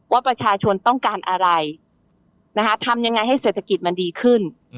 ว่าประชาชนต้องการอะไรทำยังไงให้เศรษฐกิจมันดีขึ้น